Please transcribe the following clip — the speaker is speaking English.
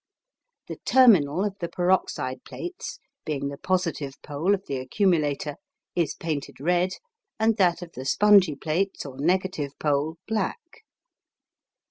The terminal of the peroxide plates, being the positive pole of the accumulator, is painted red, and that of the spongy plates or negative pole black.